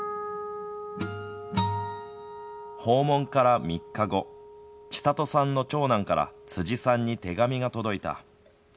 訪問から３日後ちさとさんの長男から辻さんに手紙が届いた。